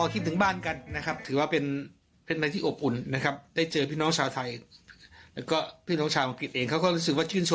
ได้น้ำตากลอกินถึงบ้านกัน